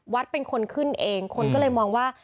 วัดเป็นคนขึ้นเองคนก็เลยมองว่า